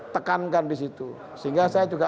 tekankan di situ sehingga saya juga